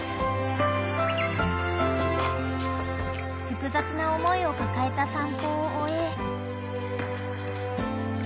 ［複雑な思いを抱えた散歩を終え］